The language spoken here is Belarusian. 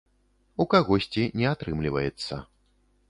У кагосьці не атрымліваецца.